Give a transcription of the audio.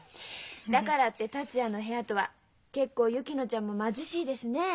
だからって達也の部屋とは結構薫乃ちゃんも貧しいですねえ。